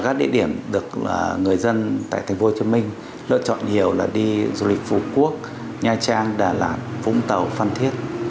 các địa điểm được người dân tại tp hcm lựa chọn nhiều là đi du lịch phú quốc nha trang đà lạt vũng tàu phan thiết